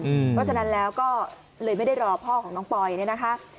เพราะฉะนั้นแล้วก็เลยไม่ได้รอพ่อของน้องปอยเนี่ยนะคะ